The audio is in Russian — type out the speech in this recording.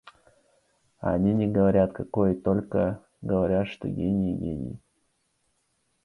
А они не говорят, какой, и только и говорят, что гений и гений.